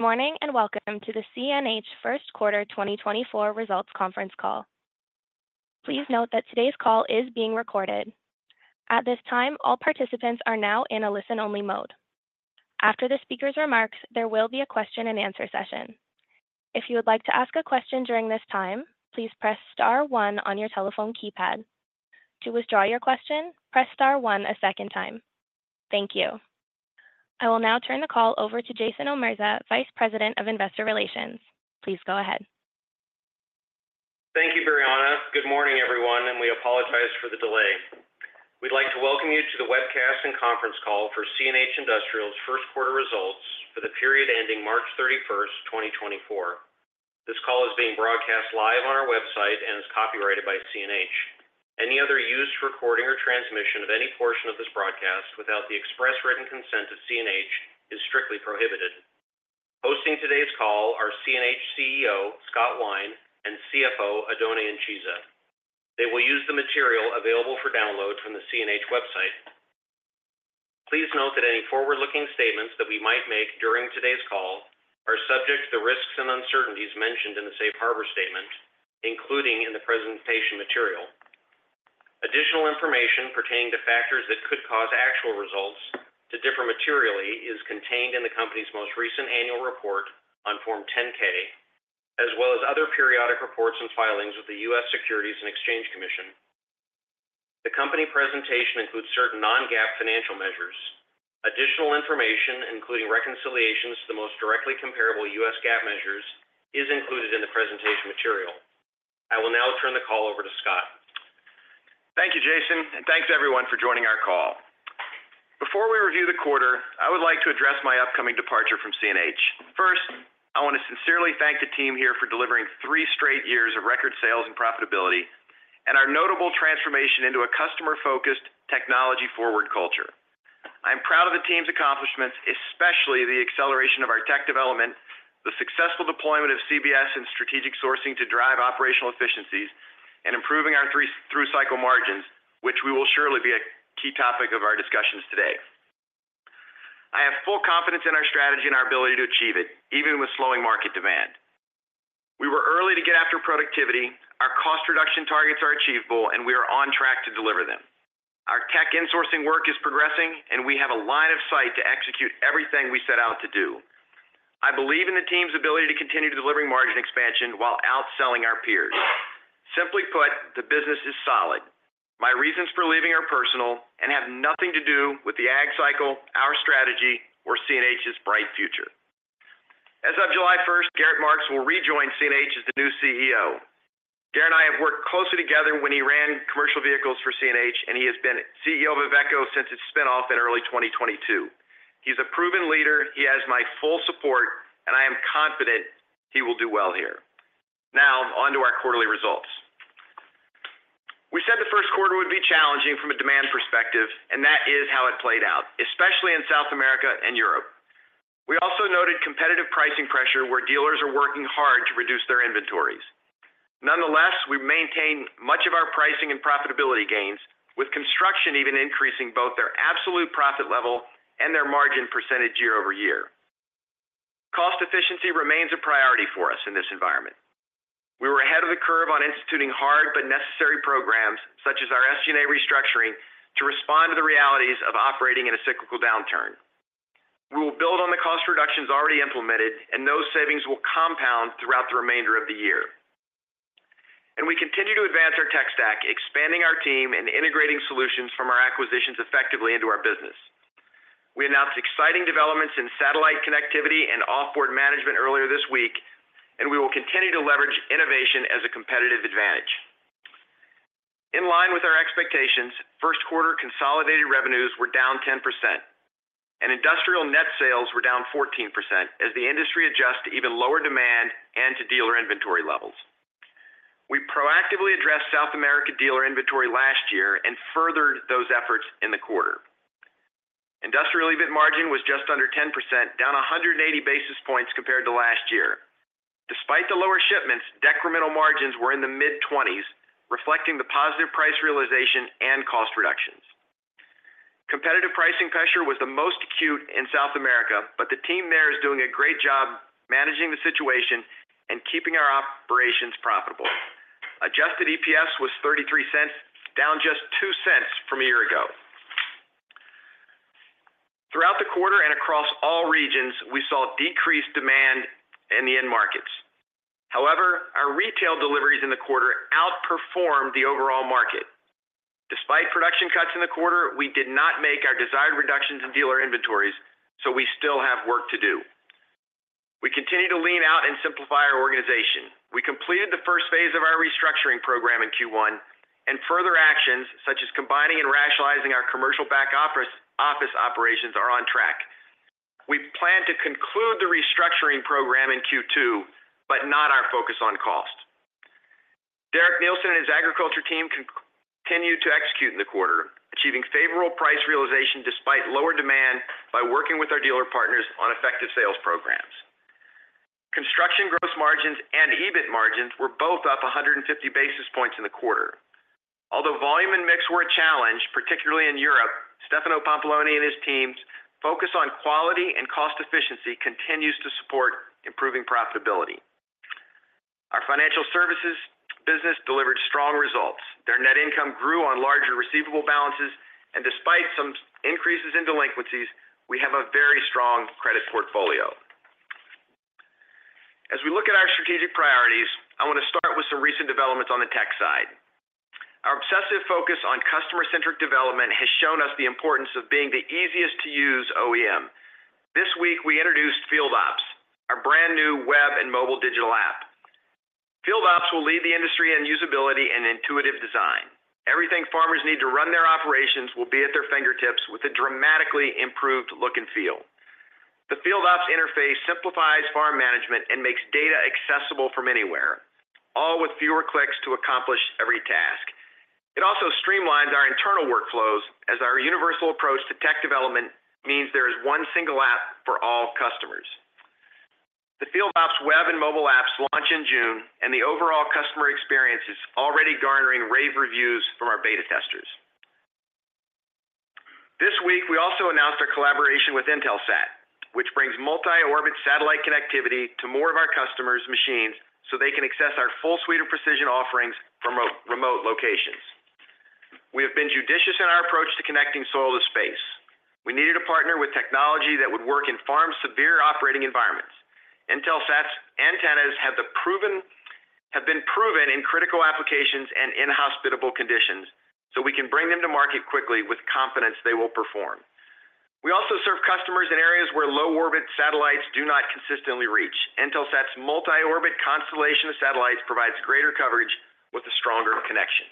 Good morning and welcome to the CNH First Quarter 2024 Results Conference Call. Please note that today's call is being recorded. At this time, all participants are now in a listen-only mode. After the speaker's remarks, there will be a question-and-answer session. If you would like to ask a question during this time, please press star one on your telephone keypad. To withdraw your question, press star one a second time. Thank you. I will now turn the call over to Jason Omerza, Vice President of Investor Relations. Please go ahead. Thank you, Brianna. Good morning, everyone, and we apologize for the delay. We'd like to welcome you to the webcast and conference call for CNH Industrial's First Quarter Results for the period ending March 31st, 2024. This call is being broadcast live on our website and is copyrighted by CNH. Any other use for recording or transmission of any portion of this broadcast without the express written consent of CNH is strictly prohibited. Hosting today's call are CNH CEO Scott Wine and CFO Oddone Incisa. They will use the material available for download from the CNH website. Please note that any forward-looking statements that we might make during today's call are subject to the risks and uncertainties mentioned in the Safe Harbor Statement, including in the presentation material. Additional information pertaining to factors that could cause actual results to differ materially is contained in the company's most recent annual report on Form 10-K, as well as other periodic reports and filings with the U.S. Securities and Exchange Commission. The company presentation includes certain non-GAAP financial measures. Additional information, including reconciliations to the most directly comparable U.S. GAAP measures, is included in the presentation material. I will now turn the call over to Scott. Thank you, Jason, and thanks everyone for joining our call. Before we review the quarter, I would like to address my upcoming departure from CNH. First, I want to sincerely thank the team here for delivering three straight years of record sales and profitability, and our notable transformation into a customer-focused, technology-forward culture. I'm proud of the team's accomplishments, especially the acceleration of our tech development, the successful deployment of CBS and strategic sourcing to drive operational efficiencies, and improving our through-cycle margins, which we will surely be a key topic of our discussions today. I have full confidence in our strategy and our ability to achieve it, even with slowing market demand. We were early to get after productivity, our cost reduction targets are achievable, and we are on track to deliver them. Our tech insourcing work is progressing, and we have a line of sight to execute everything we set out to do. I believe in the team's ability to continue to deliver margin expansion while outselling our peers. Simply put, the business is solid. My reasons for leaving are personal and have nothing to do with the ag cycle, our strategy, or CNH's bright future. As of July 1st, Gerrit Marx will rejoin CNH as the new CEO. Gerrit and I have worked closely together when he ran commercial vehicles for CNH, and he has been CEO of Iveco since its spin-off in early 2022. He's a proven leader, he has my full support, and I am confident he will do well here. Now, onto our quarterly results. We said the first quarter would be challenging from a demand perspective, and that is how it played out, especially in South America and Europe. We also noted competitive pricing pressure where dealers are working hard to reduce their inventories. Nonetheless, we maintained much of our pricing and profitability gains, with construction even increasing both their absolute profit level and their margin percentage year-over-year. Cost efficiency remains a priority for us in this environment. We were ahead of the curve on instituting hard but necessary programs, such as our SG&A restructuring, to respond to the realities of operating in a cyclical downturn. We will build on the cost reductions already implemented, and those savings will compound throughout the remainder of the year. We continue to advance our tech stack, expanding our team and integrating solutions from our acquisitions effectively into our business. We announced exciting developments in satellite connectivity and off-board management earlier this week, and we will continue to leverage innovation as a competitive advantage. In line with our expectations, first quarter consolidated revenues were down 10%, and industrial net sales were down 14% as the industry adjusted to even lower demand and to dealer inventory levels. We proactively addressed South America dealer inventory last year and furthered those efforts in the quarter. Industrial EBIT margin was just under 10%, down 180 basis points compared to last year. Despite the lower shipments, decremental margins were in the mid-20s, reflecting the positive price realization and cost reductions. Competitive pricing pressure was the most acute in South America, but the team there is doing a great job managing the situation and keeping our operations profitable. Adjusted EPS was $0.33, down just $0.02 from a year ago. Throughout the quarter and across all regions, we saw decreased demand in the end markets. However, our retail deliveries in the quarter outperformed the overall market. Despite production cuts in the quarter, we did not make our desired reductions in dealer inventories, so we still have work to do. We continue to lean out and simplify our organization. We completed the first phase of our restructuring program in Q1, and further actions, such as combining and rationalizing our commercial back office operations, are on track. We plan to conclude the restructuring program in Q2, but not our focus on cost. Derek Neilson and his agriculture team continue to execute in the quarter, achieving favorable price realization despite lower demand by working with our dealer partners on effective sales programs. Construction gross margins and EBIT margins were both up 150 basis points in the quarter. Although volume and mix were a challenge, particularly in Europe, Stefano Pampalone and his team's focus on quality and cost efficiency continues to support improving profitability. Our financial services business delivered strong results. Their net income grew on larger receivable balances, and despite some increases in delinquencies, we have a very strong credit portfolio. As we look at our strategic priorities, I want to start with some recent developments on the tech side. Our obsessive focus on customer-centric development has shown us the importance of being the easiest-to-use OEM. This week, we introduced FieldOps, our brand-new web and mobile digital app. FieldOps will lead the industry in usability and intuitive design. Everything farmers need to run their operations will be at their fingertips with a dramatically improved look and feel. The FieldOps interface simplifies farm management and makes data accessible from anywhere, all with fewer clicks to accomplish every task. It also streamlines our internal workflows, as our universal approach to tech development means there is one single app for all customers. The FieldOps web and mobile apps launch in June, and the overall customer experience is already garnering rave reviews from our beta testers. This week, we also announced our collaboration with Intelsat, which brings multi-orbit satellite connectivity to more of our customers' machines so they can access our full suite of precision offerings from remote locations. We have been judicious in our approach to connecting soil to space. We needed a partner with technology that would work in farms' severe operating environments. Intelsat's antennas have been proven in critical applications and inhospitable conditions, so we can bring them to market quickly with confidence they will perform. We also serve customers in areas where low-orbit satellites do not consistently reach. Intelsat's multi-orbit constellation of satellites provides greater coverage with a stronger connection.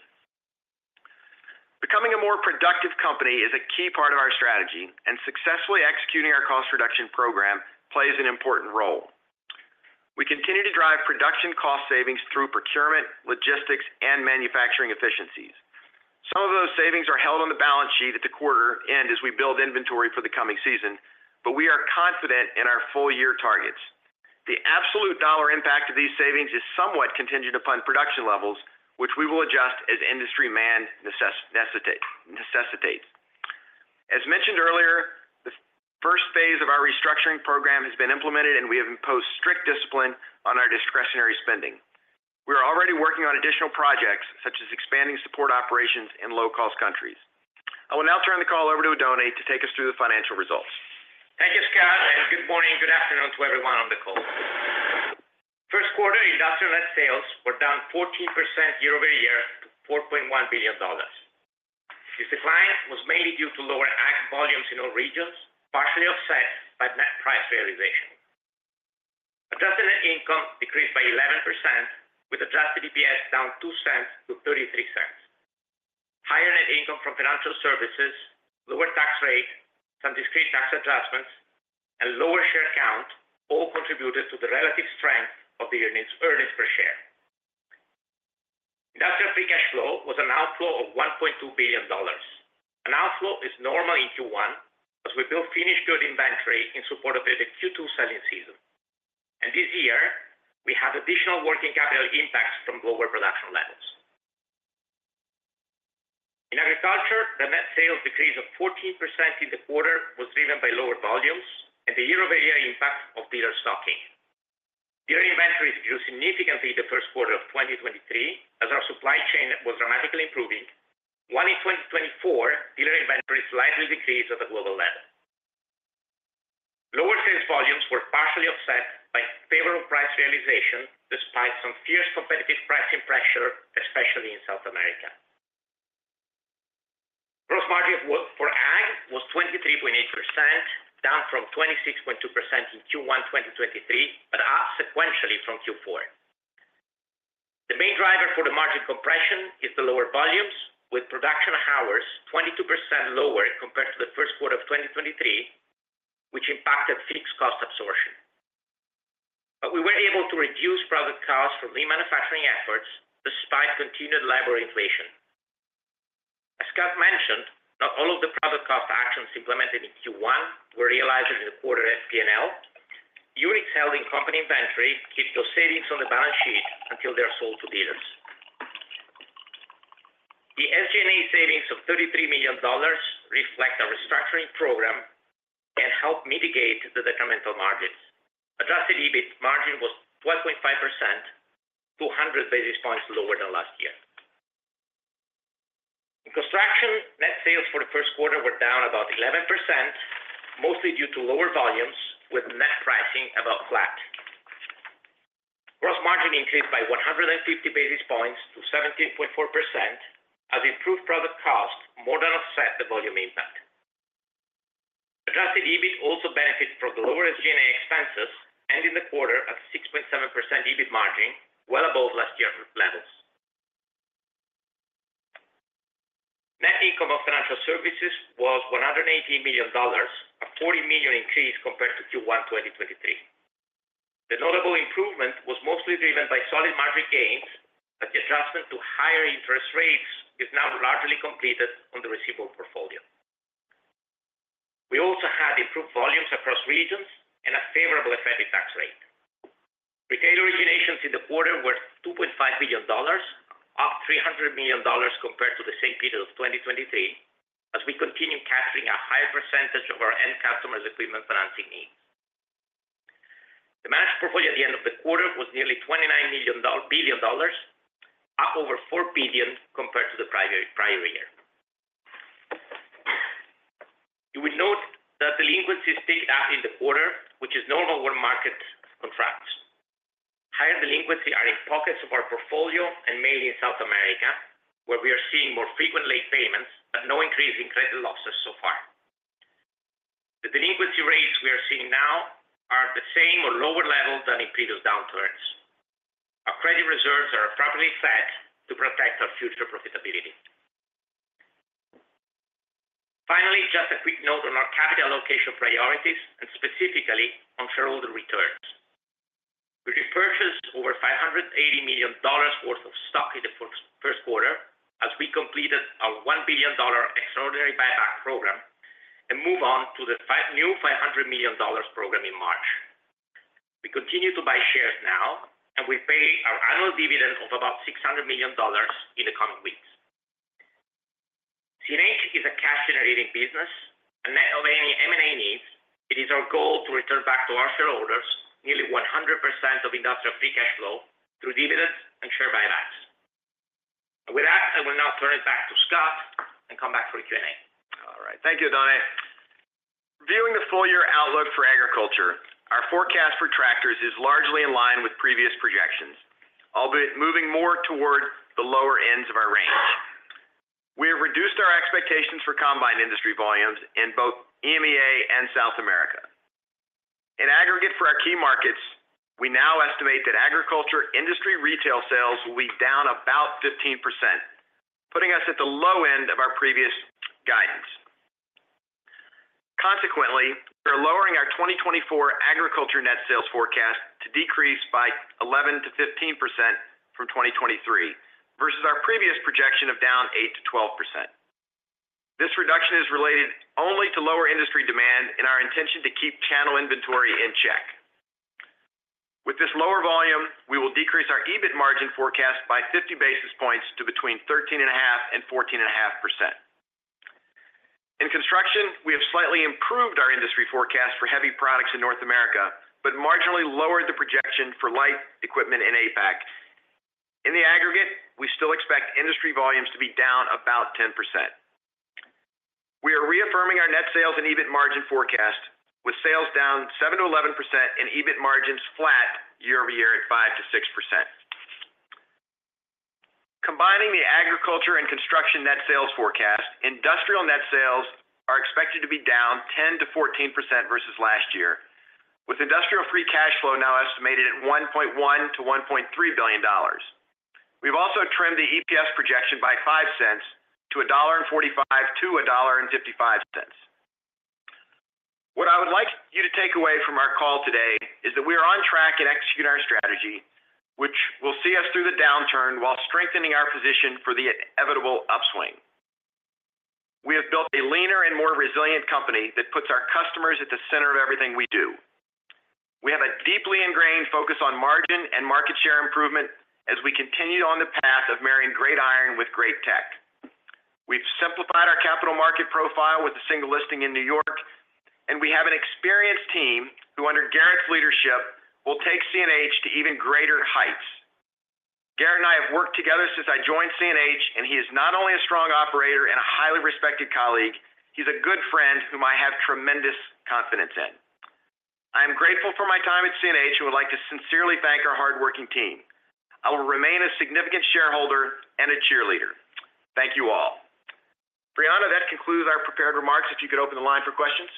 Becoming a more productive company is a key part of our strategy, and successfully executing our cost reduction program plays an important role. We continue to drive production cost savings through procurement, logistics, and manufacturing efficiencies. Some of those savings are held on the balance sheet at the quarter end as we build inventory for the coming season, but we are confident in our full-year targets. The absolute dollar impact of these savings is somewhat contingent upon production levels, which we will adjust as industry demand necessitates. As mentioned earlier, the first phase of our restructuring program has been implemented, and we have imposed strict discipline on our discretionary spending. We are already working on additional projects, such as expanding support operations in low-cost countries. I will now turn the call over to Oddone to take us through the financial results. Thank you, Scott, and good morning and good afternoon to everyone on the call. First quarter, industrial net sales were down 14% year-over-year to $4.1 billion. This decline was mainly due to lower ag volumes in all regions, partially offset by net price realization. Adjusted net income decreased by 11%, with adjusted EPS down $0.02 to $0.33. Higher net income from financial services, lower tax rate, some discrete tax adjustments, and lower share count all contributed to the relative strength of the earnings per share. Industrial free cash flow was an outflow of $1.2 billion. An outflow is normal in Q1 as we build finished good inventory in support of the Q2 selling season. This year, we have additional working capital impacts from lower production levels. In agriculture, the net sales decrease of 14% in the quarter was driven by lower volumes and the year-over-year impact of dealer stocking. Dealer inventories grew significantly in the first quarter of 2023 as our supply chain was dramatically improving. While in 2024, dealer inventories slightly decreased at a global level. Lower sales volumes were partially offset by favorable price realization despite some fierce competitive pricing pressure, especially in South America. Gross margin for ag was 23.8%, down from 26.2% in Q1 2023, but up sequentially from Q4. The main driver for the margin compression is the lower volumes, with production hours 22% lower compared to the first quarter of 2023, which impacted fixed cost absorption. We were able to reduce product costs from lean manufacturing efforts despite continued labor inflation. As Scott mentioned, not all of the product cost actions implemented in Q1 were realized in the quarter's P&L. Units held in company inventory keep those savings on the balance sheet until they are sold to dealers. The SG&A savings of $33 million reflect our restructuring program and help mitigate the decremental margins. Adjusted EBIT margin was 12.5%, 200 basis points lower than last year. In construction, net sales for the first quarter were down about 11%, mostly due to lower volumes with net pricing about flat. Gross margin increased by 150 basis points to 17.4% as improved product costs more than offset the volume impact. Adjusted EBIT also benefits from the lower SG&A expenses ending the quarter at a 6.7% EBIT margin, well above last year's levels. Net income of financial services was $118 million, a $40 million increase compared to Q1 2023. The notable improvement was mostly driven by solid margin gains, as the adjustment to higher interest rates is now largely completed on the receivable portfolio. We also had improved volumes across regions and a favorable effective tax rate. Retail originations in the quarter were $2.5 billion, up $300 million compared to the same period of 2023 as we continue capturing a higher percentage of our end customers' equipment financing needs. The managed portfolio at the end of the quarter was nearly $29 billion, up over $4 billion compared to the prior year. You would note that delinquencies ticked up in the quarter, which is normal when markets contract. Higher delinquencies are in pockets of our portfolio and mainly in South America, where we are seeing more frequent late payments but no increase in credit losses so far. The delinquency rates we are seeing now are at the same or lower level than in previous downturns. Our credit reserves are appropriately set to protect our future profitability. Finally, just a quick note on our capital allocation priorities and specifically on shareholder returns. We repurchased over $580 million worth of stock in the first quarter as we completed our $1 billion extraordinary buyback program and move on to the new $500 million program in March. We continue to buy shares now, and we pay our annual dividend of about $600 million in the coming weeks. CNH is a cash-generating business. And of any M&A needs, it is our goal to return back to our shareholders nearly 100% of industrial free cash flow through dividends and share buybacks. And with that, I will now turn it back to Scott and come back for a Q&A. All right. Thank you, Oddone. Reviewing the full-year outlook for agriculture, our forecast for tractors is largely in line with previous projections, albeit moving more toward the lower ends of our range. We have reduced our expectations for combine industry volumes in both EMEA and South America. In aggregate for our key markets, we now estimate that agriculture industry retail sales will be down about 15%, putting us at the low end of our previous guidance. Consequently, we are lowering our 2024 agriculture net sales forecast to decrease by 11%-15% from 2023 versus our previous projection of down 8%-12%. This reduction is related only to lower industry demand and our intention to keep channel inventory in check. With this lower volume, we will decrease our EBIT margin forecast by 50 basis points to between 13.5%-14.5%. In construction, we have slightly improved our industry forecast for heavy products in North America but marginally lowered the projection for light equipment in APAC. In the aggregate, we still expect industry volumes to be down about 10%. We are reaffirming our net sales and EBIT margin forecast, with sales down 7%-11% and EBIT margins flat year-over-year at 5%-6%. Combining the agriculture and construction net sales forecast, industrial net sales are expected to be down 10%-14% versus last year, with industrial free cash flow now estimated at $1.1 billion-$1.3 billion. We've also trimmed the EPS projection by $0.05 to $1.45-$1.55. What I would like you to take away from our call today is that we are on track in executing our strategy, which will see us through the downturn while strengthening our position for the inevitable upswing. We have built a leaner and more resilient company that puts our customers at the center of everything we do. We have a deeply ingrained focus on margin and market share improvement as we continue on the path of marrying great iron with great tech. We've simplified our capital market profile with a single listing in New York, and we have an experienced team who, under Gerrit's leadership, will take CNH to even greater heights. Gerrit and I have worked together since I joined CNH, and he is not only a strong operator and a highly respected colleague, he's a good friend whom I have tremendous confidence in. I am grateful for my time at CNH and would like to sincerely thank our hardworking team. I will remain a significant shareholder and a cheerleader. Thank you all. Brianna, that concludes our prepared remarks. If you could open the line for questions.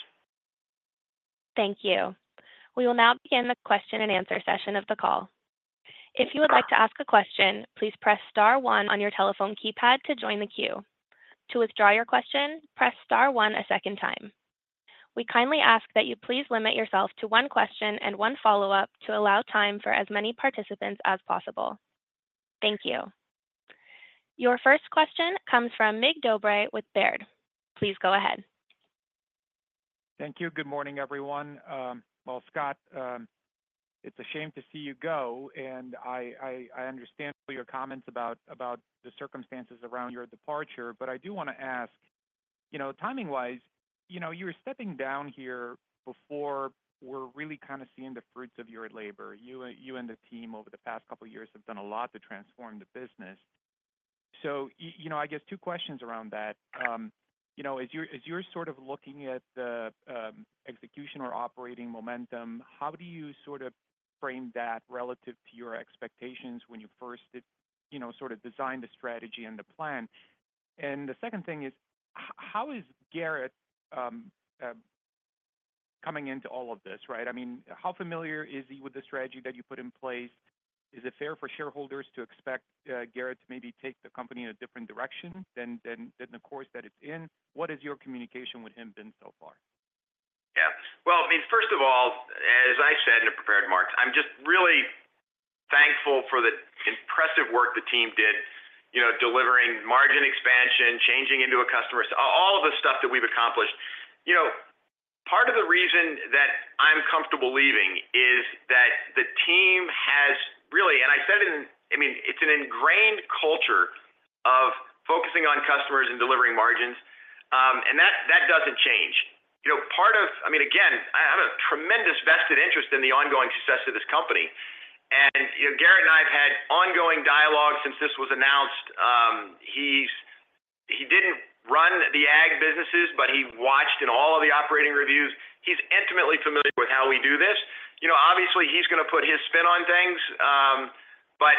Thank you. We will now begin the question and answer session of the call. If you would like to ask a question, please press star one on your telephone keypad to join the queue. To withdraw your question, press star one a second time. We kindly ask that you please limit yourself to one question and one follow-up to allow time for as many participants as possible. Thank you. Your first question comes from Mig Dobre with Baird. Please go ahead. Thank you. Good morning, everyone. Well, Scott, it's a shame to see you go, and I understand your comments about the circumstances around your departure, but I do want to ask, timing-wise, you were stepping down here before we're really kind of seeing the fruits of your labor. You and the team over the past couple of years have done a lot to transform the business. So I guess two questions around that. As you're sort of looking at the execution or operating momentum, how do you sort of frame that relative to your expectations when you first sort of designed the strategy and the plan? And the second thing is, how is Gerrit coming into all of this, right? I mean, how familiar is he with the strategy that you put in place? Is it fair for shareholders to expect Gerrit to maybe take the company in a different direction than the course that it's in? What has your communication with him been so far? Yeah. Well, I mean, first of all, as I said in the prepared remarks, I'm just really thankful for the impressive work the team did delivering margin expansion, changing into a customer, all of the stuff that we've accomplished. Part of the reason that I'm comfortable leaving is that the team has really, and I said it, I mean, it's an ingrained culture of focusing on customers and delivering margins, and that doesn't change. Part of, I mean, again, I have a tremendous vested interest in the ongoing success of this company. And Gerrit and I have had ongoing dialogue since this was announced. He didn't run the ag businesses, but he watched in all of the operating reviews. He's intimately familiar with how we do this. Obviously, he's going to put his spin on things, but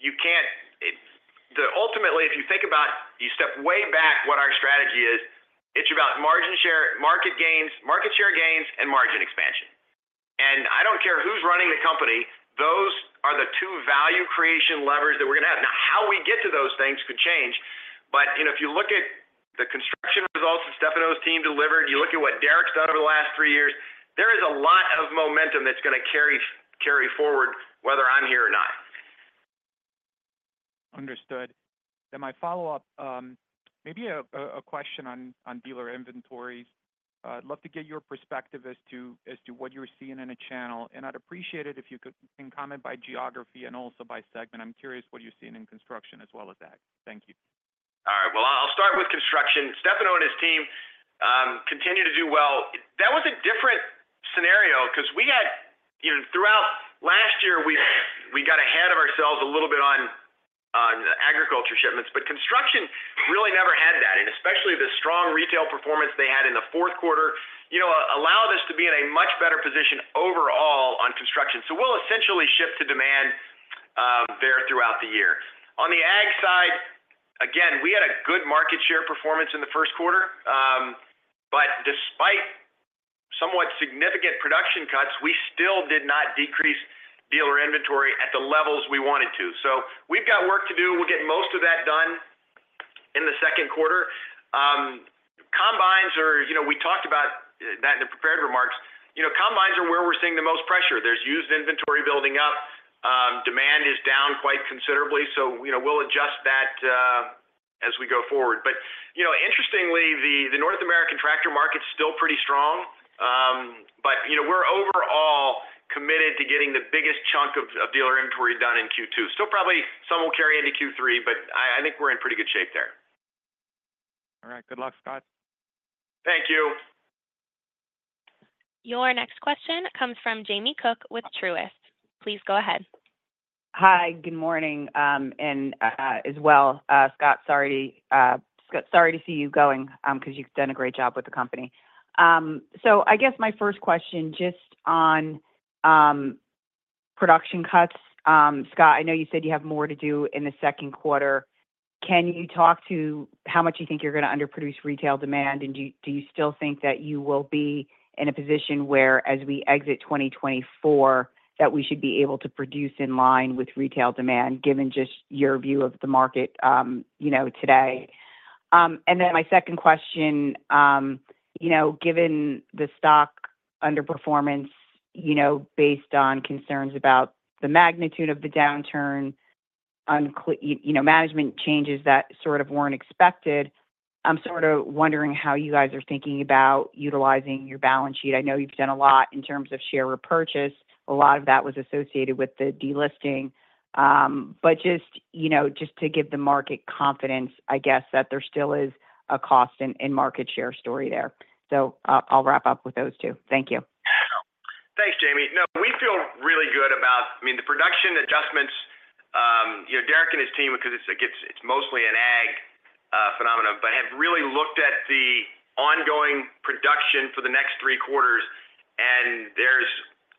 you can't ultimately, if you think about you step way back, what our strategy is, it's about market share gains and margin expansion. And I don't care who's running the company. Those are the two value creation levers that we're going to have. Now, how we get to those things could change. But if you look at the construction results that Stefano's team delivered, you look at what Derek's done over the last three years, there is a lot of momentum that's going to carry forward whether I'm here or not. Understood. Then my follow-up, maybe a question on dealer inventories. I'd love to get your perspective as to what you're seeing in a channel. And I'd appreciate it if you can comment by geography and also by segment. I'm curious what you're seeing in construction as well as ag. Thank you. All right. Well, I'll start with construction. Stefano and his team continue to do well. That was a different scenario because we had throughout last year, we got ahead of ourselves a little bit on agriculture shipments, but construction really never had that. And especially the strong retail performance they had in the fourth quarter allowed us to be in a much better position overall on construction. So we'll essentially shift to demand there throughout the year. On the ag side, again, we had a good market share performance in the first quarter. But despite somewhat significant production cuts, we still did not decrease dealer inventory at the levels we wanted to. So we've got work to do. We'll get most of that done in the second quarter. Combines, or we talked about that in the prepared remarks. Combines are where we're seeing the most pressure. There's used inventory building up. Demand is down quite considerably, so we'll adjust that as we go forward. But interestingly, the North American tractor market's still pretty strong, but we're overall committed to getting the biggest chunk of dealer inventory done in Q2. Still probably some will carry into Q3, but I think we're in pretty good shape there. All right. Good luck, Scott. Thank you. Your next question comes from Jamie Cook with Truist. Please go ahead. Hi. Good morning as well, Scott. Sorry to see you going because you've done a great job with the company. So I guess my first question just on production cuts. Scott, I know you said you have more to do in the second quarter. Can you talk to how much you think you're going to underproduce retail demand, and do you still think that you will be in a position where, as we exit 2024, that we should be able to produce in line with retail demand given just your view of the market today? And then my second question, given the stock underperformance based on concerns about the magnitude of the downturn, management changes that sort of weren't expected, I'm sort of wondering how you guys are thinking about utilizing your balance sheet? I know you've done a lot in terms of share repurchase. A lot of that was associated with the delisting. But just to give the market confidence, I guess, that there still is a cost and market share story there. So I'll wrap up with those two. Thank you. Thanks, Jamie. No, we feel really good about—I mean, the production adjustments. Derek and his team, because it's mostly an ag phenomenon, but have really looked at the ongoing production for the next three quarters. And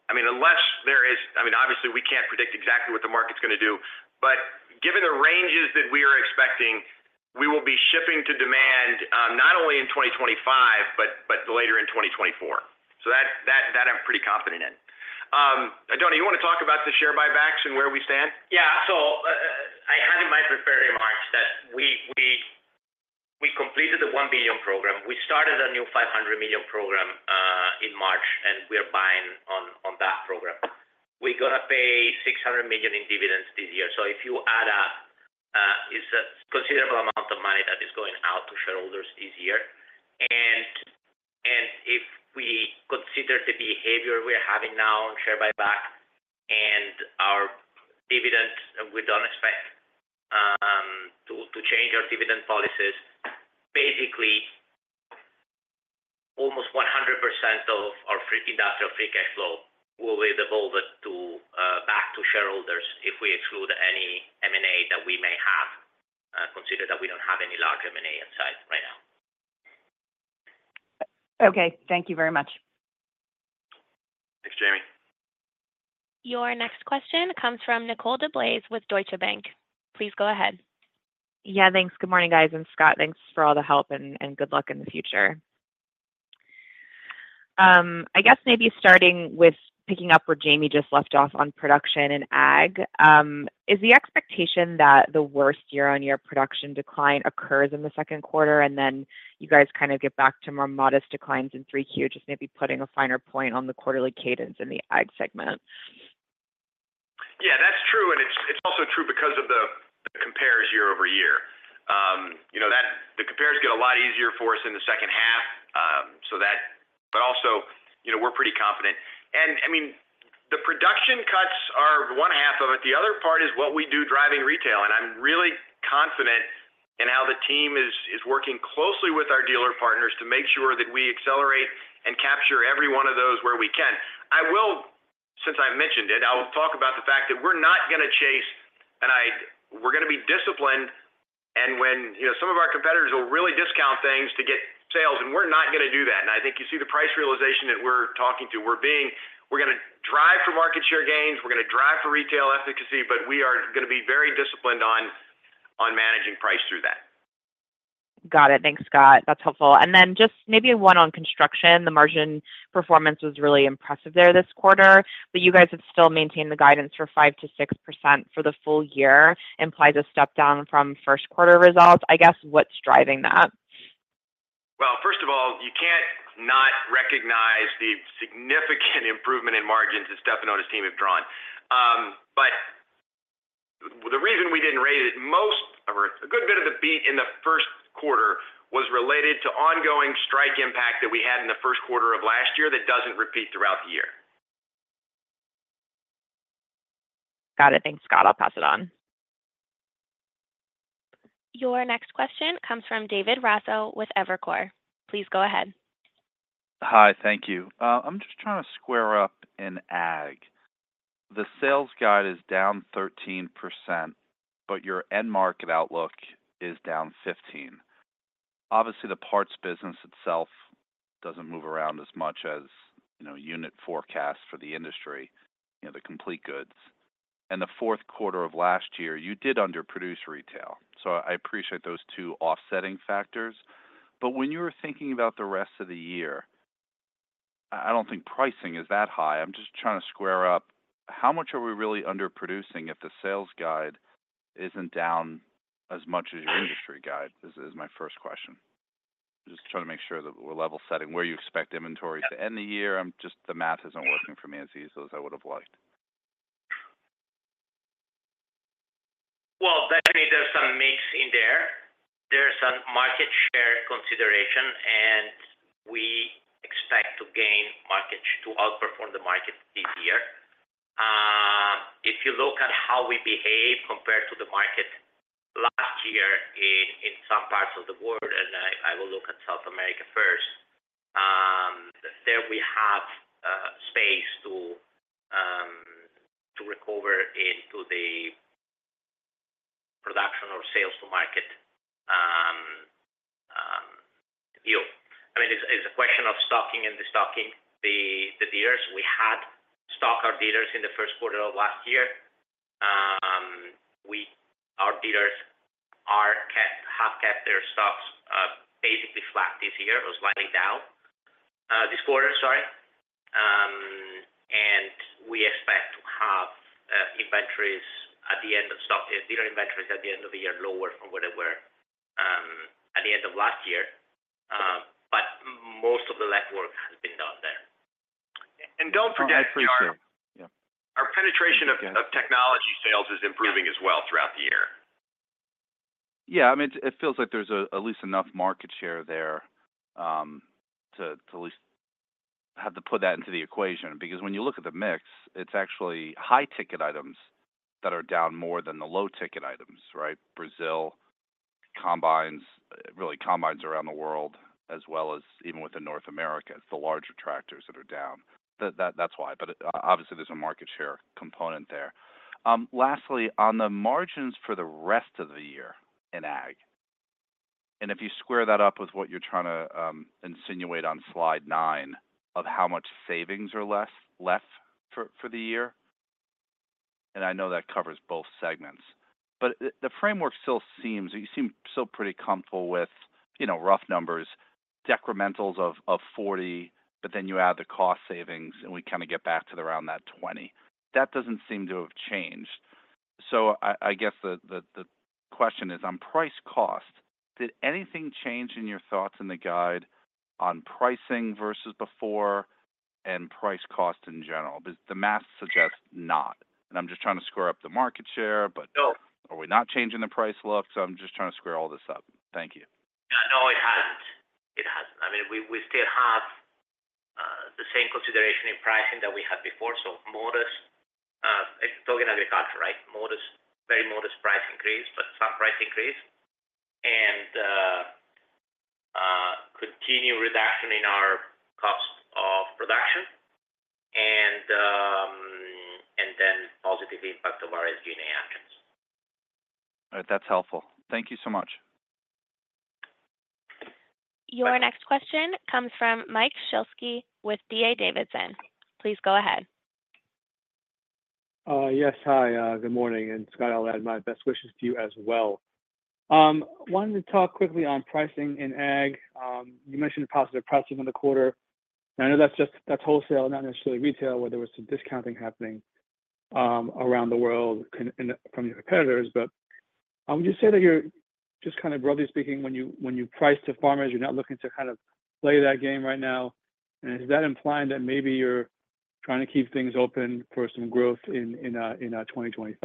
I mean, unless there is—I mean, obviously, we can't predict exactly what the market's going to do. But given the ranges that we are expecting, we will be shipping to demand not only in 2025 but later in 2024. So that I'm pretty confident in. Oddone, you want to talk about the share buybacks and where we stand? Yeah. So I had in my prepared remarks that we completed the $1 billion program. We started a new $500 million program in March, and we are buying on that program. We're going to pay $600 million in dividends this year. So if you add up, it's a considerable amount of money that is going out to shareholders this year. And if we consider the behavior we're having now on share buyback and our dividends, and we don't expect to change our dividend policies, basically, almost 100% of our industrial free cash flow will be devolved back to shareholders if we exclude any M&A that we may have, consider that we don't have any large M&A inside right now. Okay. Thank you very much. Thanks, Jamie. Your next question comes from Nicole DeBlase with Deutsche Bank. Please go ahead. Yeah. Thanks. Good morning, guys. And Scott, thanks for all the help, and good luck in the future. I guess maybe starting with picking up where Jamie just left off on production and ag, is the expectation that the worst year-on-year production decline occurs in the second quarter, and then you guys kind of get back to more modest declines in 3Q, just maybe putting a finer point on the quarterly cadence in the ag segment? Yeah. That's true. And it's also true because of the comps year-over-year. The comps get a lot easier for us in the second half, but also, we're pretty confident. And I mean, the production cuts are one half of it. The other part is what we do driving retail. And I'm really confident in how the team is working closely with our dealer partners to make sure that we accelerate and capture every one of those where we can. Since I mentioned it, I'll talk about the fact that we're not going to chase. And we're going to be disciplined. And when some of our competitors will really discount things to get sales, and we're not going to do that. And I think you see the price realization that we're talking to. We're going to drive for market share gains. We're going to drive for retail efficacy, but we are going to be very disciplined on managing price through that. Got it. Thanks, Scott. That's helpful. Then just maybe one on construction. The margin performance was really impressive there this quarter, but you guys have still maintained the guidance for 5%-6% for the full year. Implies a step down from first quarter results. I guess what's driving that? Well, first of all, you can't not recognize the significant improvement in margins that Stefano and his team have drawn. But the reason we didn't raise it most or a good bit of the beat in the first quarter was related to ongoing strike impact that we had in the first quarter of last year that doesn't repeat throughout the year. Got it. Thanks, Scott. I'll pass it on. Your next question comes from David Raso with Evercore. Please go ahead. Hi. Thank you. I'm just trying to square up in ag. The sales guide is down 13%, but your end market outlook is down 15%. Obviously, the parts business itself doesn't move around as much as unit forecasts for the industry, the complete goods. And the fourth quarter of last year, you did underproduce retail. So I appreciate those two offsetting factors. But when you were thinking about the rest of the year, I don't think pricing is that high. I'm just trying to square up. How much are we really underproducing if the sales guide isn't down as much as your industry guide is my first question? Just trying to make sure that we're level setting. Where you expect inventory to end the year? The math isn't working for me as easily as I would have liked. Well, definitely, there's some mix in there. There's some market share consideration, and we expect to outperform the market this year. If you look at how we behave compared to the market last year in some parts of the world, and I will look at South America first, there we have space to recover into the production or sales-to-market view. I mean, it's a question of stocking and destocking the dealers. We had stocked our dealers in the first quarter of last year. Our dealers have kept their stocks basically flat this year or slightly down this quarter, sorry. And we expect to have dealer inventories at the end of the year lower from where they were at the end of last year. But most of the legwork has been done there. Don't forget our penetration of technology sales. Yeah. Our penetration of technology sales is improving as well throughout the year. Yeah. I mean, it feels like there's at least enough market share there to at least have to put that into the equation. Because when you look at the mix, it's actually high-ticket items that are down more than the low-ticket items, right? Brazil, really, combines around the world as well as even within North America. It's the larger tractors that are down. That's why. But obviously, there's a market share component there. Lastly, on the margins for the rest of the year in ag, and if you square that up with what you're trying to insinuate on Slide 9 of how much savings are left for the year and I know that covers both segments. But the framework still seems you seem still pretty comfortable with rough numbers, decrementals of 40%, but then you add the cost savings, and we kind of get back to around that 20%. That doesn't seem to have changed. So I guess the question is on price-cost, did anything change in your thoughts in the guide on pricing versus before and price-cost in general? The math suggests not. I'm just trying to square up the market share, but are we not changing the price look? So I'm just trying to square all this up. Thank you. Yeah. No, it hasn't. It hasn't. I mean, we still have the same consideration in pricing that we had before. So talking agriculture, right? Very modest price increase, but some price increase and continue reduction in our cost of production and then positive impact of our SG&A actions. All right. That's helpful. Thank you so much. Your next question comes from Mike Shlisky with D.A. Davidson. Please go ahead. Yes. Hi. Good morning. And Scott, I'll add my best wishes to you as well. Wanted to talk quickly on pricing in ag. You mentioned positive pricing in the quarter. And I know that's wholesale, not necessarily retail, where there was some discounting happening around the world from your competitors. But would you say that you're just kind of broadly speaking, when you price to farmers, you're not looking to kind of play that game right now? And is that implying that maybe you're trying to keep things open for some growth in 2025?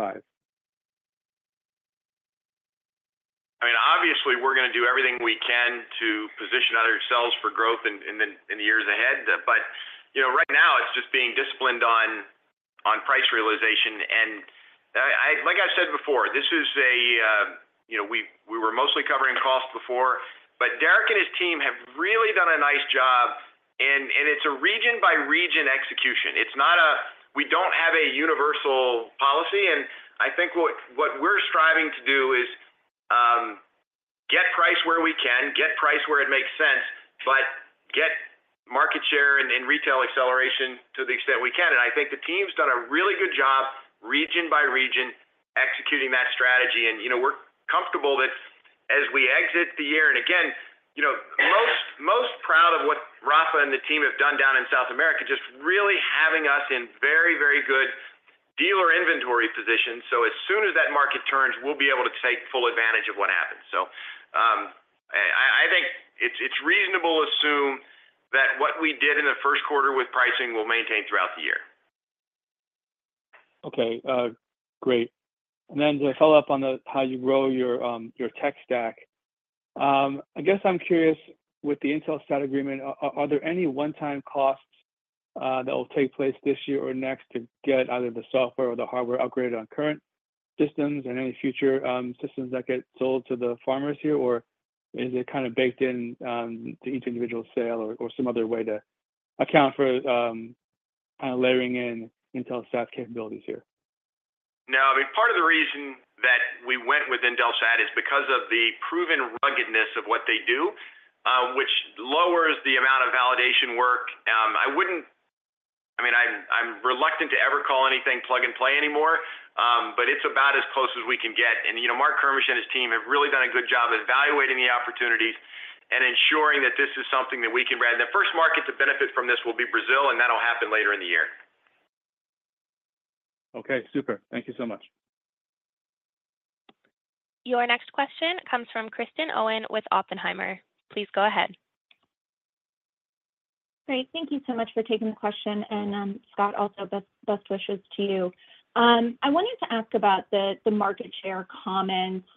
I mean, obviously, we're going to do everything we can to position ourselves for growth in the years ahead. But right now, it's just being disciplined on price realization. And like I've said before, this is a we were mostly covering cost before. But Derek and his team have really done a nice job, and it's a region-by-region execution. We don't have a universal policy. And I think what we're striving to do is get price where we can, get price where it makes sense, but get market share and retail acceleration to the extent we can. And I think the team's done a really good job region by region executing that strategy. And we're comfortable that as we exit the year and again, most proud of what Rafa and the team have done down in South America, just really having us in very, very good dealer inventory positions. So as soon as that market turns, we'll be able to take full advantage of what happens. So I think it's reasonable to assume that what we did in the first quarter with pricing will maintain throughout the year. Okay. Great. And then to follow up on how you grow your tech stack, I guess I'm curious, with the Intelsat agreement, are there any one-time costs that will take place this year or next to get either the software or the hardware upgraded on current systems and any future systems that get sold to the farmers here? Or is it kind of baked into each individual sale or some other way to account for kind of layering in Intelsat capabilities here? No. I mean, part of the reason that we went with Intelsat is because of the proven ruggedness of what they do, which lowers the amount of validation work. I mean, I'm reluctant to ever call anything plug-and-play anymore, but it's about as close as we can get. And Marc Kermisch and his team have really done a good job evaluating the opportunities and ensuring that this is something that we can read. And the first market to benefit from this will be Brazil, and that'll happen later in the year. Okay. Super. Thank you so much. Your next question comes from Kristen Owen with Oppenheimer. Please go ahead. Great. Thank you so much for taking the question. And Scott, also, best wishes to you. I wanted to ask about the market share comments,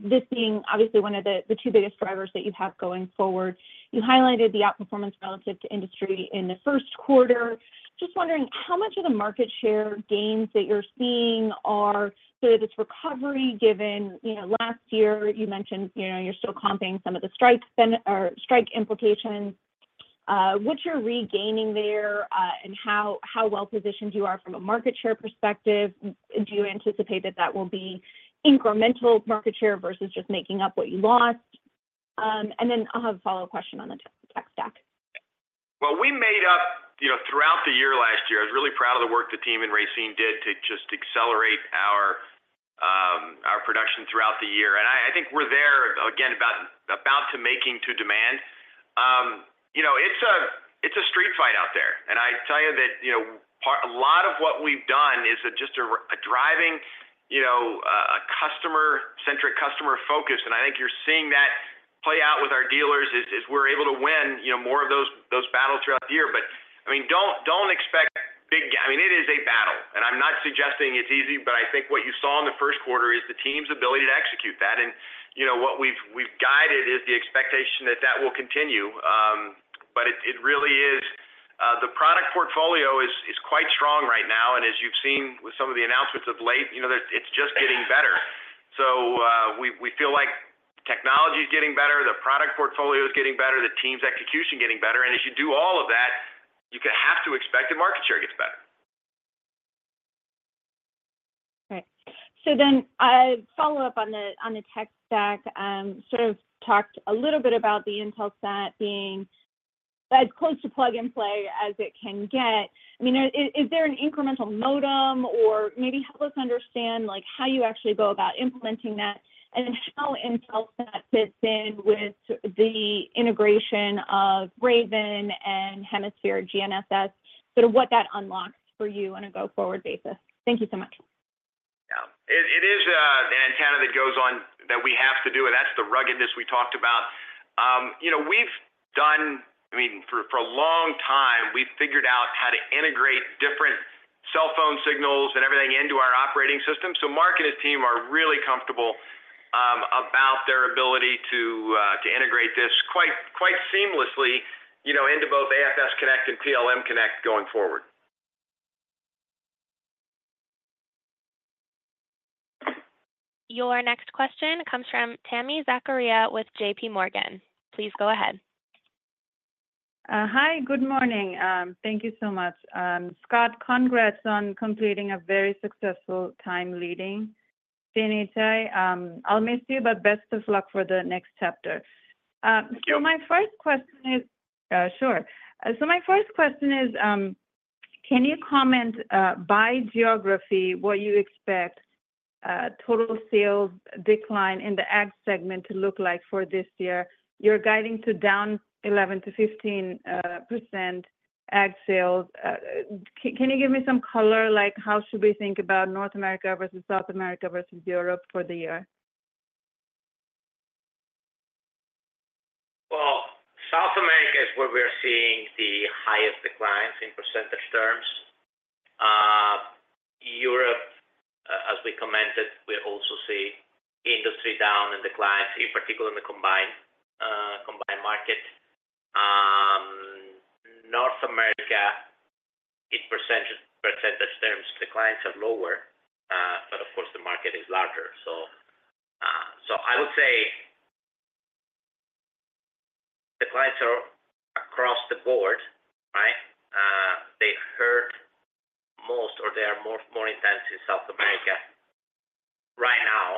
this being obviously one of the two biggest drivers that you have going forward. You highlighted the outperformance relative to industry in the first quarter. Just wondering, how much of the market share gains that you're seeing are sort of this recovery given last year, you mentioned you're still comping some of the strike implications. What you're regaining there and how well-positioned you are from a market share perspective. Do you anticipate that that will be incremental market share versus just making up what you lost? And then I'll have a follow-up question on the tech stack. Well, we made up throughout the year last year. I was really proud of the work the team in Racine did to just accelerate our production throughout the year. And I think we're there, again, about matching demand. It's a street fight out there. And I tell you that a lot of what we've done is just a customer-centric, customer-focused. And I think you're seeing that play out with our dealers as we're able to win more of those battles throughout the year. But I mean, don't expect big I mean, it is a battle. And I'm not suggesting it's easy, but I think what you saw in the first quarter is the team's ability to execute that. And what we've guided is the expectation that that will continue. But it really is the product portfolio is quite strong right now. As you've seen with some of the announcements of late, it's just getting better. We feel like technology is getting better, the product portfolio is getting better, the team's execution getting better. As you do all of that, you have to expect the market share gets better. Right. So then follow up on the tech stack. Sort of talked a little bit about the Intelsat being as close to plug-and-play as it can get. I mean, is there an incremental modem? Or maybe help us understand how you actually go about implementing that and how Intelsat fits in with the integration of Raven and Hemisphere GNSS, sort of what that unlocks for you on a go-forward basis. Thank you so much. Yeah. It is an antenna that goes on that we have to do. And that's the ruggedness we talked about. We've done, I mean, for a long time, we've figured out how to integrate different cell phone signals and everything into our operating system. So Marc and his team are really comfortable about their ability to integrate this quite seamlessly into both AFS Connect and PLM Connect going forward. Your next question comes from Tami Zakaria with JPMorgan. Please go ahead. Hi. Good morning. Thank you so much. Scott, congrats on completing a very successful time leading CNH. I'll miss you, but best of luck for the next chapter. Thank you. So my first question is, can you comment by geography what you expect total sales decline in the ag segment to look like for this year? You're guiding to down 11%-15% ag sales. Can you give me some color? How should we think about North America versus South America versus Europe for the year? Well, South America is where we are seeing the highest declines in percentage terms. Europe, as we commented, we also see industry down and declines, in particular in the combine market. North America, in percentage terms, declines are lower. But of course, the market is larger. So I would say the clients are across the board, right? They hurt most, or they are more intense in South America right now.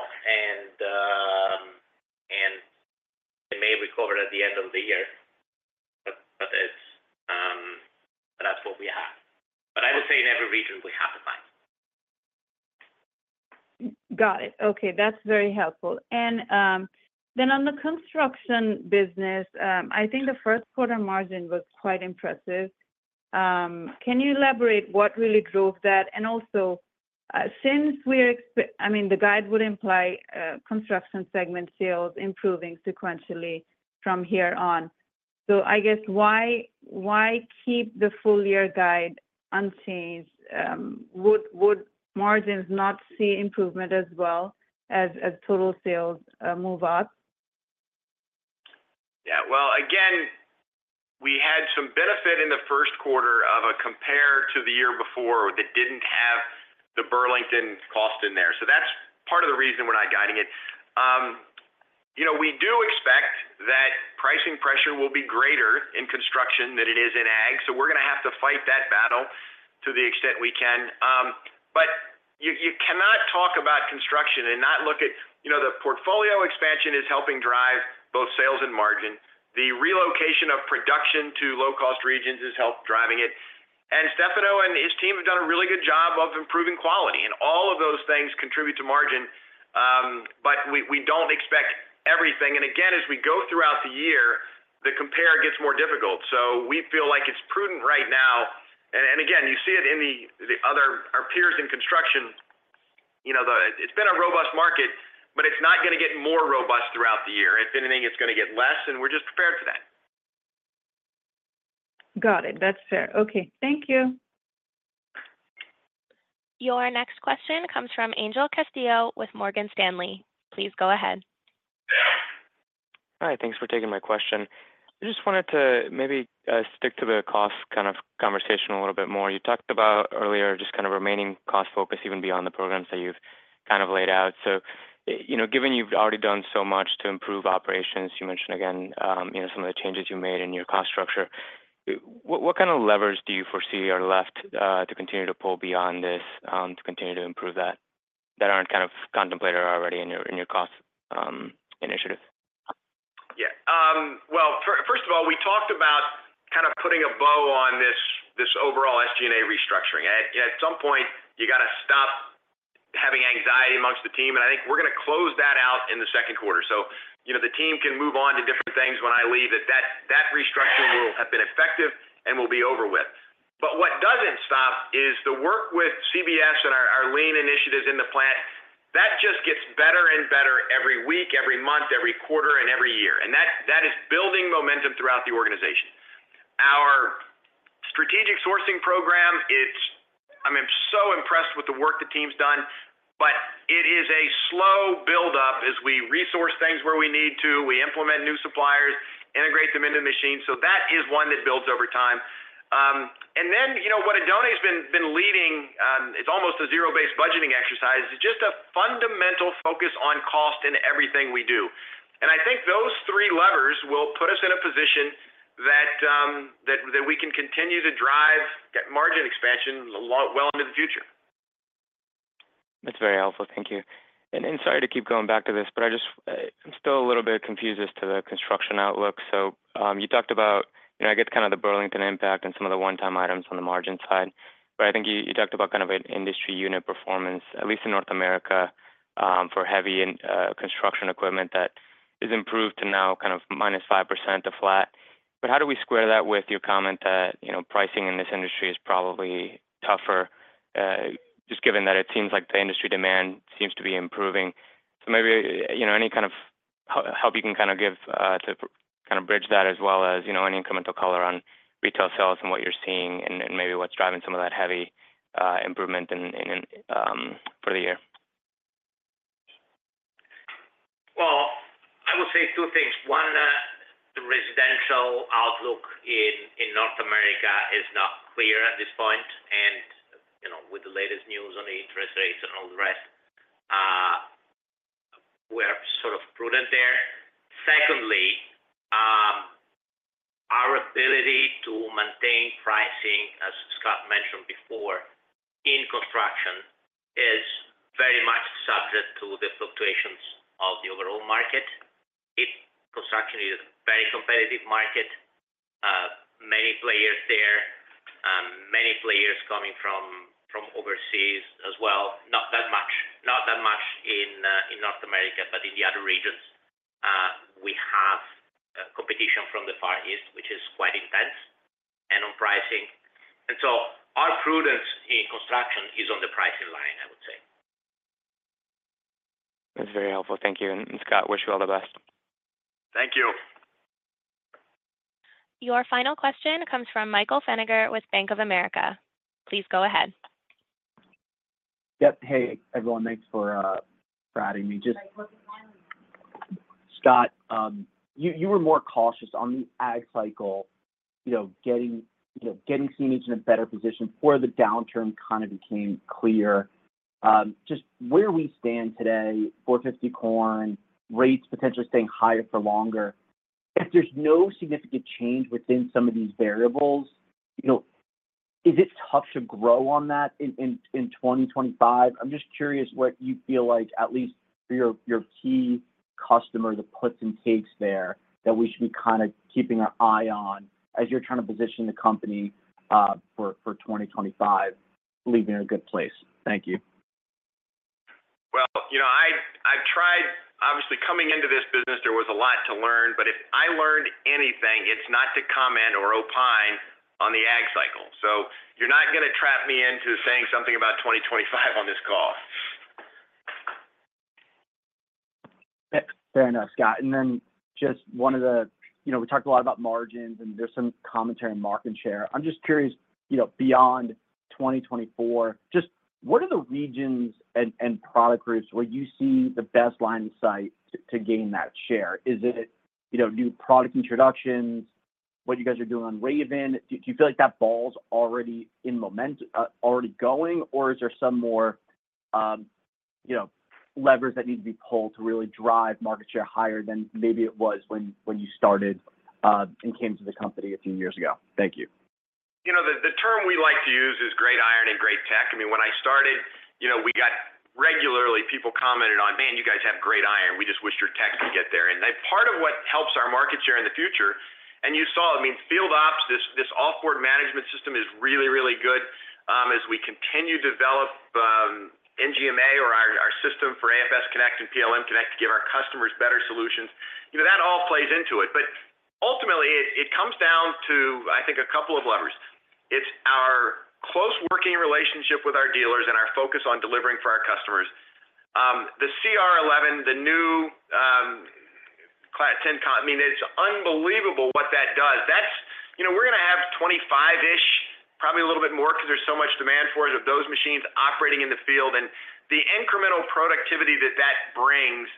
And they may recover at the end of the year, but that's what we have. But I would say in every region, we have declines. Got it. Okay. That's very helpful. And then on the construction business, I think the first-quarter margin was quite impressive. Can you elaborate what really drove that? And also, since we are, I mean, the guide would imply construction segment sales improving sequentially from here on. So I guess, why keep the full-year guide unchanged? Would margins not see improvement as well as total sales move up? Yeah. Well, again, we had some benefit in the first quarter compared to the year before that didn't have the Burlington cost in there. So that's part of the reason we're not guiding it. We do expect that pricing pressure will be greater in construction than it is in ag. So we're going to have to fight that battle to the extent we can. But you cannot talk about construction and not look at the portfolio expansion is helping drive both sales and margin. The relocation of production to low-cost regions is helping drive it. And Stefano and his team have done a really good job of improving quality. And all of those things contribute to margin. But we don't expect everything. And again, as we go throughout the year, the compare gets more difficult. So we feel like it's prudent right now. Again, you see it in our peers in construction. It's been a robust market, but it's not going to get more robust throughout the year. If anything, it's going to get less. And we're just prepared for that. Got it. That's fair. Okay. Thank you. Your next question comes from Angel Castillo with Morgan Stanley. Please go ahead. Hi. Thanks for taking my question. I just wanted to maybe stick to the cost kind of conversation a little bit more. You talked about earlier just kind of remaining cost-focused even beyond the programs that you've kind of laid out. So given you've already done so much to improve operations, you mentioned, again, some of the changes you made in your cost structure. What kind of levers do you foresee are left to continue to pull beyond this to continue to improve that that aren't kind of contemplated already in your cost initiative? Yeah. Well, first of all, we talked about kind of putting a bow on this overall SG&A restructuring. At some point, you got to stop having anxiety amongst the team. And I think we're going to close that out in the second quarter. So the team can move on to different things when I leave that that restructuring will have been effective and will be over with. But what doesn't stop is the work with CBS and our lean initiatives in the plant. That just gets better and better every week, every month, every quarter, and every year. And that is building momentum throughout the organization. Our strategic sourcing program, I mean, I'm so impressed with the work the team's done. But it is a slow buildup as we re-source things where we need to. We implement new suppliers, integrate them into the machine. So that is one that builds over time. And then what Oddone has been leading, it's almost a zero-based budgeting exercise. It's just a fundamental focus on cost in everything we do. And I think those three levers will put us in a position that we can continue to drive margin expansion well into the future. That's very helpful. Thank you. And sorry to keep going back to this, but I'm still a little bit confused as to the construction outlook. So you talked about I get kind of the Burlington impact and some of the one-time items on the margin side. But I think you talked about kind of an industry unit performance, at least in North America, for heavy construction equipment that is improved to now kind of -5% to flat. But how do we square that with your comment that pricing in this industry is probably tougher, just given that it seems like the industry demand seems to be improving? So maybe any kind of help you can kind of give to kind of bridge that as well as any incremental color on retail sales and what you're seeing and maybe what's driving some of that heavy improvement for the year. Well, I will say two things. One, the residential outlook in North America is not clear at this point. And with the latest news on the interest rates and all the rest, we're sort of prudent there. Secondly, our ability to maintain pricing, as Scott mentioned before, in construction is very much subject to the fluctuations of the overall market. Construction is a very competitive market. Many players there, many players coming from overseas as well, not that much in North America, but in the other regions. We have competition from the Far East, which is quite intense and on pricing. And so our prudence in construction is on the pricing line, I would say. That's very helpful. Thank you. Scott, wish you all the best. Thank you. Your final question comes from Michael Feniger with Bank of America. Please go ahead. Yep. Hey, everyone. Thanks for adding me. Just, Scott, you were more cautious on the ag cycle. Getting CNH in a better position for the downturn kind of became clear. Just where we stand today, $4.50 corn, rates potentially staying higher for longer. If there's no significant change within some of these variables, is it tough to grow on that in 2025? I'm just curious what you feel like, at least for your key customer, the puts and takes there that we should be kind of keeping our eye on as you're trying to position the company for 2025, leaving it in a good place. Thank you. Well, I've tried obviously coming into this business, there was a lot to learn. But if I learned anything, it's not to comment or opine on the ag cycle. So you're not going to trap me into saying something about 2025 on this call. Fair enough, Scott. And then just one of the we talked a lot about margins, and there's some commentary on market share. I'm just curious, beyond 2024, just what are the regions and product groups where you see the best line of sight to gain that share? Is it new product introductions, what you guys are doing on Raven? Do you feel like that ball's already going? Or is there some more levers that need to be pulled to really drive market share higher than maybe it was when you started and came to the company a few years ago? Thank you. The term we like to use is great iron and great tech. I mean, when I started, we got regularly people commented on, "Man, you guys have great iron. We just wish your tech could get there." And part of what helps our market share in the future, and you saw it, I mean, FieldOps, this offboard management system is really, really good. As we continue to develop NGMA or our system for AFS Connect and PLM Connect to give our customers better solutions, that all plays into it. But ultimately, it comes down to, I think, a couple of levers. It's our close working relationship with our dealers and our focus on delivering for our customers. The CR11, the new Class 10, I mean, it's unbelievable what that does. We're going to have 25-ish, probably a little bit more because there's so much demand for it with those machines operating in the field. And the incremental productivity that that brings,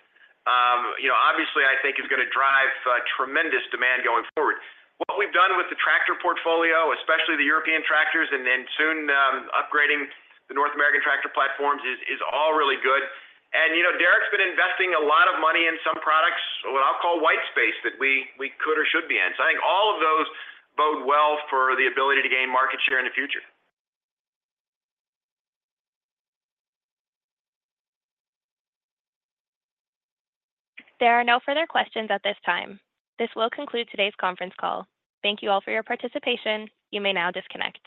obviously, I think, is going to drive tremendous demand going forward. What we've done with the tractor portfolio, especially the European tractors, and then soon upgrading the North American tractor platforms is all really good. And Derek's been investing a lot of money in some products, what I'll call white space, that we could or should be in. So I think all of those bode well for the ability to gain market share in the future. There are no further questions at this time. This will conclude today's conference call. Thank you all for your participation. You may now disconnect.